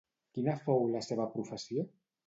Quina fou la seva professió?